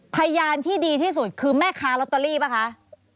พยานที่ดีที่สุดคือแม่ค้าลอตเตอรี่ป่ะคะ